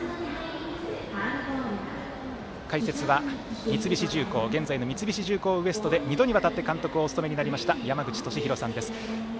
解説は三菱重工現在の三菱重工Ｗｅｓｔで二度にわたって監督をお務めになりました山口敏弘さんです。